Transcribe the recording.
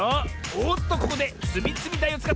おっとここでつみつみだいをつかった！